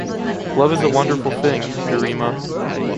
Love is wonderful thing, Duurimaa!